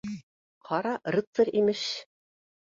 — Ҡара, рыцарь, имеш.